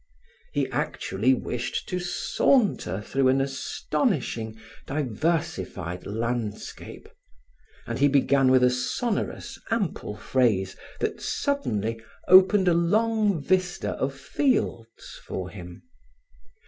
He actually wished to saunter through an astonishing, diversified landscape, and he began with a sonorous, ample phrase that suddenly opened a long vista of fields for him.